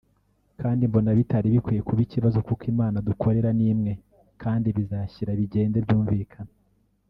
kandi mbona bitari bikwiye kuba ikibazo kuko Imana dukorera ni imwe kandi bizashyira bigende byumvikana”